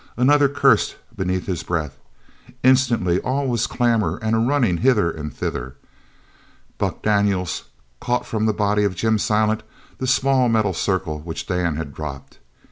Another cursed beneath his breath. Instantly all was clamour and a running hither and thither. Buck Daniels caught from the body of Jim Silent the small metal circle which Dan had dropped.